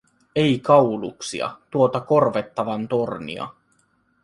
Ei kauluksia, tuota korvettavan tornia.